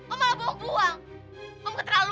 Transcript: om malah belum pulang